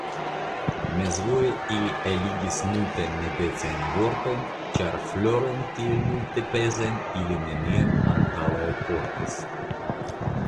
Mezvoje ili eligis multajn nedecajn vortojn, ĉar florojn tiel multepezajn ili neniam antaŭe portis.